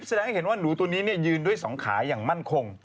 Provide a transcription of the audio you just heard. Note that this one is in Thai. แสดงให้เห็นว่าหนูตัวนี้ยืนด้วยสองขาอย่างมั่นคง